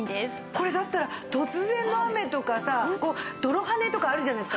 これだったら突然の雨とかさ泥はねとかあるじゃないですか。